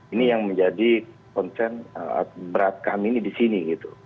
ini yang menjadi konten berat kami di sini